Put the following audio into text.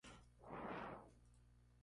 Es aquí donde nace el río Reuss.